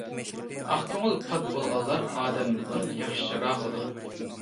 ئاق كۆڭۈل، پاك بولغانلار ئادەمنىڭ ياخشىراقىدۇر.